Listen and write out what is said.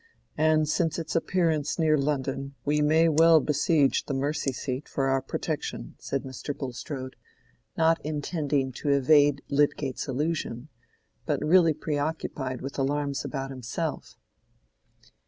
And since its appearance near London, we may well besiege the Mercy seat for our protection," said Mr. Bulstrode, not intending to evade Lydgate's allusion, but really preoccupied with alarms about himself.